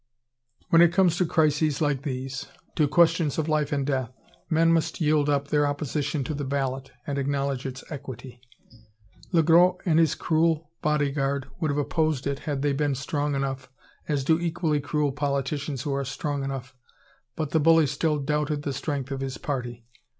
When it comes to crises like these, to questions of life and death, men must yield up their opposition to the ballot, and acknowledge its equity. Le Gros and his cruel bodyguard would have opposed it had they been strong enough, as do equally cruel politicians who are strong enough, but the bully still doubted the strength of his party.